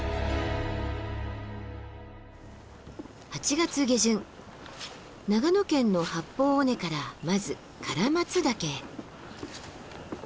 ８月下旬長野県の八方尾根からまず唐松岳へ。